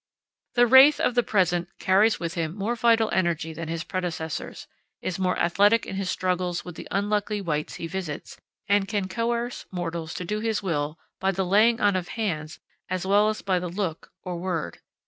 The wraith of the present carries with him more vital energy than his predecessors, is more athletic in his struggles with the unlucky wights he visits, and can coerce mortals to do his will by the laying on of hands as well as by the look or word.